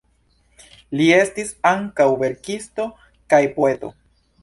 Li estis ankaŭ verkisto kaj poeto.